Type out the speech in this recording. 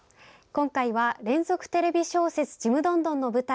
今回は、連続テレビ小説「ちむどんどん」の舞台